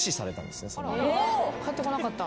返ってこなかった？